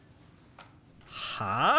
はい！